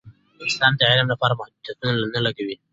اسلام د علم لپاره محدودیت نه لګوي.